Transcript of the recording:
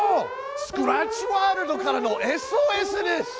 スクラッチワールドからのＳＯＳです！